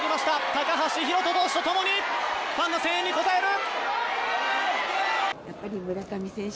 高橋宏斗投手と共にファンの声援に応える。